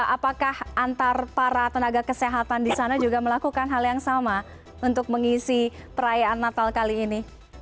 apakah antara para tenaga kesehatan di sana juga melakukan hal yang sama untuk mengisi perayaan natal kali ini